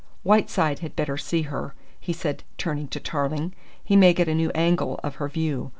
"Whiteside had better see her," he said, turning to Tarling. "He may get a new angle of her view.